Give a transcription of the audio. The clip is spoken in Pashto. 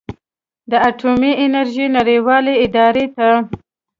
د اټومي انرژۍ نړیوالې ادارې ته